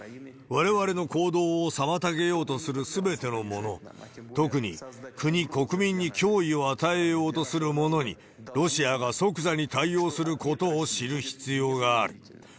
われわれの行動を妨げようとするすべてのもの、特に国、国民に脅威を与えようとするものに、ロシアが即座に対応することを知る必要がある。